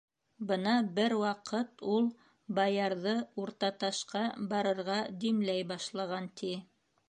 Бына бер ваҡыт ул баярҙы Уртаташҡа барырға димләй башлаған, ти.